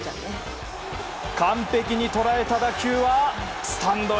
完璧に捉えた打球はスタンドへ。